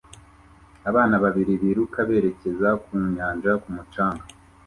Abana babiri biruka berekeza ku nyanja ku mucanga